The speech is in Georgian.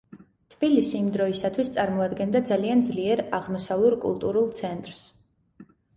თბილისი იმ დროისათვის წარმოადგენდა ძალიან ძლიერ აღმოსავლურ კულტურულ ცენტრს.